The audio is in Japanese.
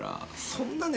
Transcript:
そんなね